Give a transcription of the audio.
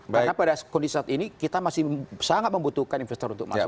karena pada kondisi saat ini kita masih sangat membutuhkan investor untuk masuk